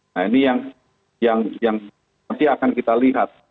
nah ini yang nanti akan kita lihat